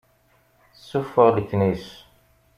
Sufeɣ leknis.